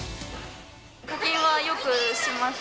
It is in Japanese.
課金はよくします。